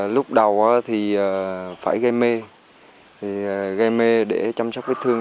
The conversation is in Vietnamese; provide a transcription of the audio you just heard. lúc đầu thì phải gây mê gây mê để chăm sóc vết thương